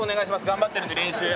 頑張ってるんで練習。